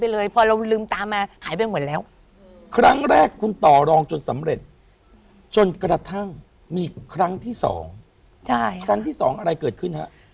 แล้วเขาก็หายไปเลย